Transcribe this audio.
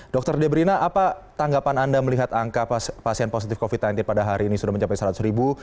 dr debrina apa tanggapan anda melihat angka pasien positif covid sembilan belas pada hari ini sudah mencapai seratus ribu